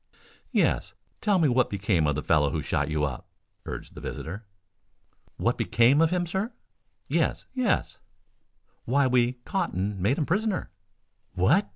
"Yes; tell me what became of the fellow who shot you up," urged the visitor. "What became of him, sir?" "Yes, yes!" "Why we caught and made him prisoner." "What!"